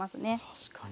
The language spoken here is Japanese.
確かに。